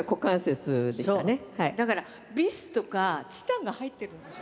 だからビスとかチタンが入っているんですよ。